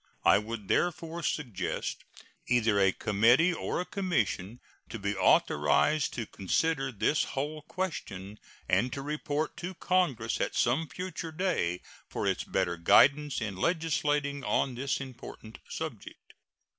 I would therefore suggest either a committee or a commission to be authorized to consider this whole question, and to report to Congress at some future day for its better guidance in legislating on this important subject.